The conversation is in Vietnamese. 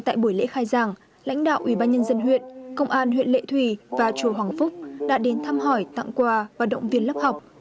tại buổi lễ khai giảng lãnh đạo ủy ban nhân dân huyện công an huyện lệ thủy và chùa hoàng phúc đã đến thăm hỏi tặng quà và động viên lớp học